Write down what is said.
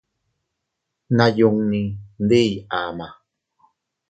Nayunni ndiiy ama.